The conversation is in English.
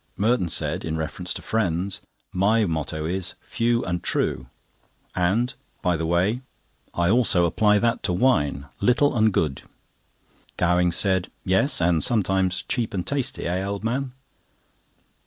Merton said in reference to friends: "My motto is 'Few and True;' and, by the way, I also apply that to wine, 'Little and Good.'" Gowing said: "Yes, and sometimes 'cheap and tasty,' eh, old man?"